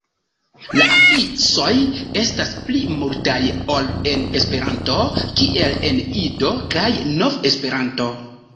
La afiksoj estas pli multaj ol en Esperanto, kiel en Ido kaj Nov-Esperanto.